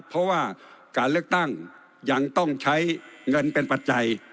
เพราะว่าการเลือกตั้งยังต้องใช้เงินเป็นปัจจัย